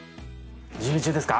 準備中ですか？